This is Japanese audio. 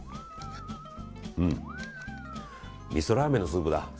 みそラーメンのスープだ。